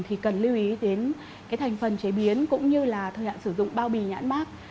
thì cần lưu ý đến thành phần chế biến cũng như thời hạn sử dụng bao bì nhãn mát